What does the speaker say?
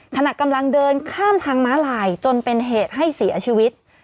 ขณะกำลังเดินข้ามทางม้าลายจนเป็นเหตุให้เสียชีวิต